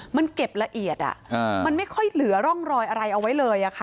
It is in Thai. มันเก็บละเอียดมันไม่ค่อยเหลือร่องรอยอะไรเอาไว้เลยค่ะ